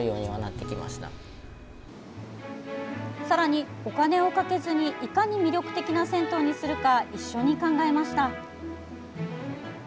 さらに、お金をかけずにいかに魅力的な銭湯にするか一緒に考えました。